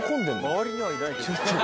周りにはいないけど。